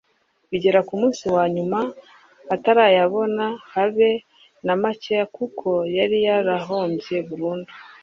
bigera ku munsi wa nyuma atarayabona habe na makeya kuko yari yarahombye burundu